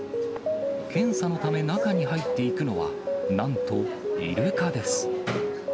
検査のため中に入っていくのは、なんとイルカです。